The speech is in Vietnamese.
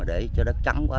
để cho đất trắng quá